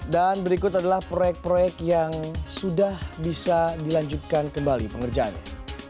dan berikut adalah proyek proyek yang sudah bisa dilanjutkan kembali pengerjaannya